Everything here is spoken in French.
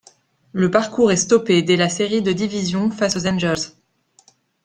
Le parcours est stoppé dès la Série de Division face aux Angels.